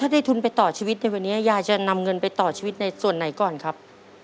ได้ทุนไปต่อชีวิตในวันนี้ยายจะนำเงินไปต่อชีวิตในส่วนไหนก่อนครับ